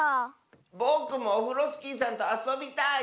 ぼくもオフロスキーさんとあそびたい！